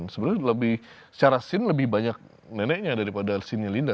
sebenarnya lebih secara scene lebih banyak neneknya daripada siny linda